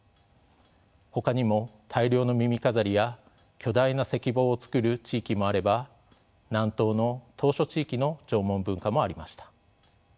ほかにも大量の耳飾りや巨大な石棒を作る地域もあれば南東の島しょ地域の縄文文化もありました。